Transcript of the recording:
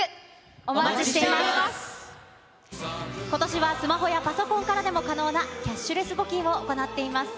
お待ちしていまことしはスマホやパソコンからでも可能なキャッシュレス募金を行っています。